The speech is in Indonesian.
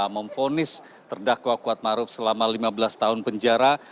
memfonis terdakwa kuatmaruf selama lima belas tahun penjara